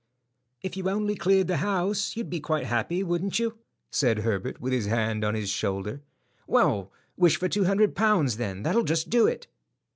"If you only cleared the house, you'd be quite happy, wouldn't you?" said Herbert, with his hand on his shoulder. "Well, wish for two hundred pounds, then; that 'll just do it."